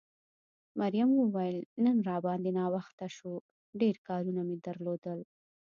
مريم وویل نن را باندې ناوخته شو، ډېر کارونه مې درلودل.